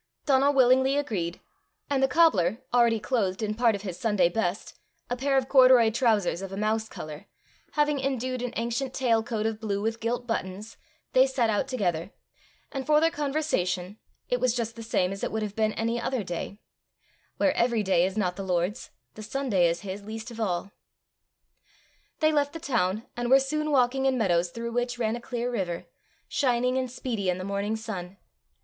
Donal willingly agreed, and the cobbler, already clothed in part of his Sunday best, a pair of corduroy trousers of a mouse colour, having indued an ancient tail coat of blue with gilt buttons, they set out together; and for their conversation, it was just the same as it would have been any other day: where every day is not the Lord's, the Sunday is his least of all. They left the town, and were soon walking in meadows through which ran a clear river, shining and speedy in the morning sun.